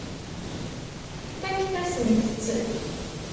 Fakkent-asent-t.